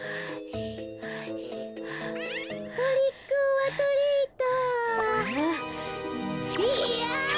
トリックオアトリート。